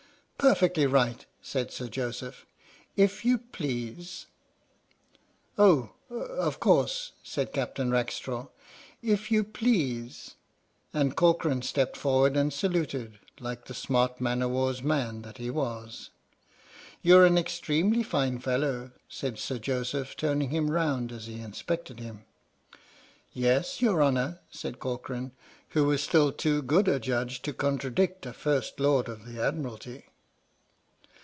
" Perfectly right," said Sir Joseph, " if you please." "Oh, of course," said Captain Rackstraw, "if you please." 123 H.M.S. "PINAFORE" And Corcoran stepped forward and saluted, like the smart man o' war's man that he was. " You're an extremely fine fellow," said Sir Jo seph, turning him round as he inspected him. "Yes, your Honour," said Corcoran, who was still too good a judge to contradict a First Lord of the Admiralty.